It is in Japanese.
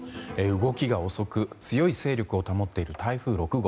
動きが遅く強い勢力を保っている台風６号。